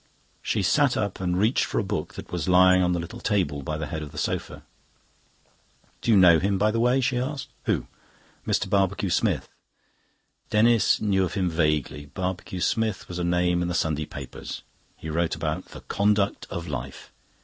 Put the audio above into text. She sat up and reached for a book that was lying on the little table by the head of the sofa. "Do you know him, by the way?" she asked. "Who?" "Mr. Barbecue Smith." Denis knew of him vaguely. Barbecue Smith was a name in the Sunday papers. He wrote about the Conduct of Life.